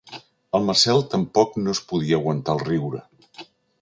El Marcel tampoc no es podia aguantar el riure.